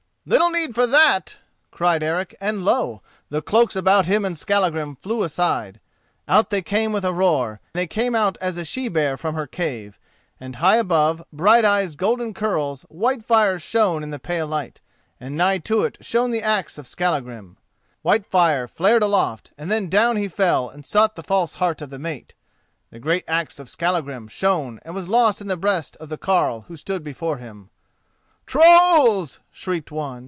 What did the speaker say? "Little need for that," cried Eric, and lo! the cloaks about him and Skallagrim flew aside. Out they came with a roar; they came out as a she bear from her cave, and high above Brighteyes' golden curls Whitefire shone in the pale light, and nigh to it shone the axe of Skallagrim. Whitefire flared aloft, then down he fell and sought the false heart of the mate. The great axe of Skallagrim shone and was lost in the breast of the carle who stood before him. "Trolls!" shrieked one.